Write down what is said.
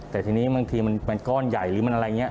แต่ทีนี้บางทีมันก้อนใหญ่หรือมันอะไรอย่างนี้